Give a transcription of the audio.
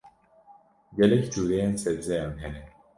Gelek cureyên sebzeyan hene.